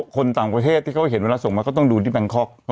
คนต่างประเทศที่เขาเห็นเวลาส่งมาก็ต้องดูที่แบงคอก